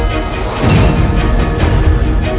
kau mau pergi semuanya